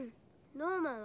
ノーマンは？